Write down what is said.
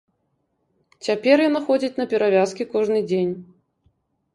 Цяпер яна ходзіць на перавязкі кожны дзень.